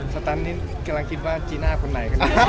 ทำให้เพิ่งถึงว่าจีน่าคนไหน